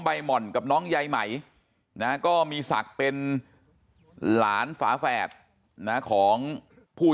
หม่อนกับน้องใยไหมนะก็มีศักดิ์เป็นหลานฝาแฝดนะของผู้